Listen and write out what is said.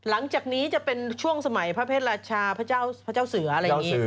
หลังจากนี้จะเป็นช่วงสมัยพระเศษราชาพระเจ้าพระเจ้าเสืออะไรอย่างนี้